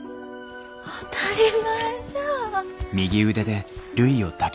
当たり前じゃあ。